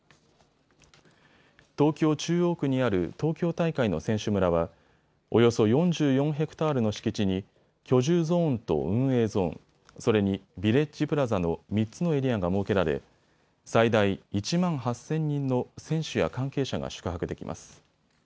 東京中央区にある東京大会の選手村はおよそ４４ｈａの敷地に居住ゾーンと運営ゾーン、それにビレッジプラザの３つのエリアが設けられ最大１万８０００人の選手や関係者が宿泊できます。